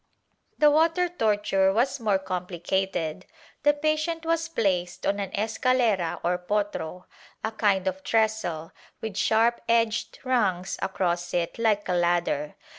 ^ The water torture was more complicated. The patient was placed on an escalera or potro — a kind of trestle, with sharp edged rungs across it hke a ladder.